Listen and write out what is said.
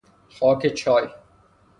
خاک چای